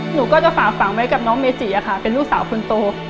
หนูก็จะฝากฝังไว้กับน้องเมจิค่ะเป็นลูกสาวคนโต